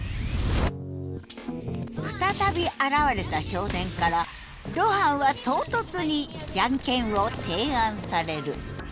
再び現れた少年から露伴は唐突に「ジャンケン」を提案される。